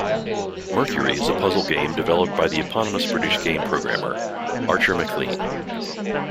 "Mercury" is a puzzle game developed by the eponymous British game programmer, Archer MacLean.